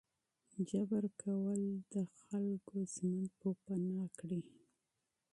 ظلم کول د انسان ژوند تبا کوي.